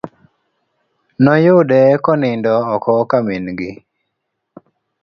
Noyude konindo oko ka min gi.